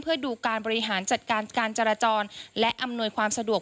เพื่อดูการบริหารจัดการการจราจรและอำนวยความสะดวก